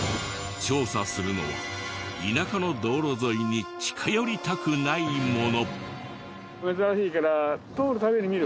調査するのは田舎の道路沿いに近寄りたくないもの。